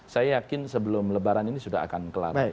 saya yakin sebelum lebaran ini sudah akan kelar